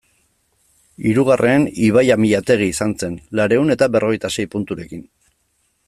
Hirugarren, Ibai Amillategi izan zen, laurehun eta berrogeita sei punturekin.